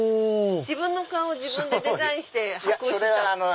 自分の顔を自分でデザインして箔押ししたんですか？